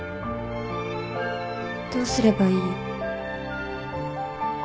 どうすればいい？